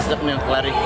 sesek nih lari